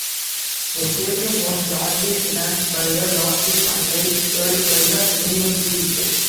The stadium was largely financed by a lottery fund-raiser held by the university itself.